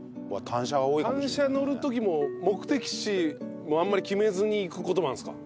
単車乗る時も目的地もあんまり決めずに行く事もあるんですか？